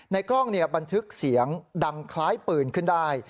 กล้องบันทึกเสียงดังคล้ายปืนขึ้นได้